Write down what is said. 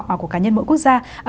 và của cá nhân mỗi quốc gia